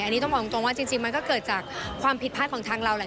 อันนี้ต้องบอกตรงว่าจริงมันก็เกิดจากความผิดพลาดของทางเราแหละ